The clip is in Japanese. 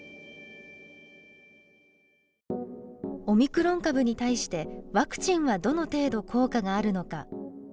オミクロン株に対してワクチンはどの程度効果があるのか。